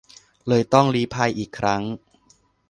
เลยต้องลี้ภัยอีกครั้ง